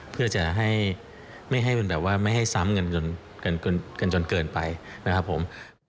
เพื่อจะให้มันแบบว่าไม่ให้ซ้ำกันจนเกินไปนะครับผม